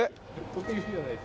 特有じゃないです。